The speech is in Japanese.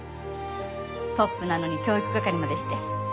トップなのに教育係までして。